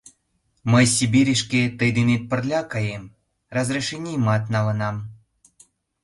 Мый Сибирьышке тый денет пырля каем, разрешенийымат налынам.